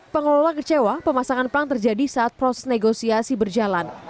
pengelola kecewa pemasangan perang terjadi saat proses negosiasi berjalan